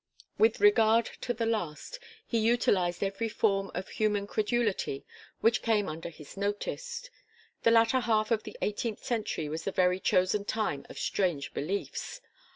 With regard to the last he utilised every form of human credulity which came under his notice. The latter half of the eighteenth century was the very chosen time of strange beliefs.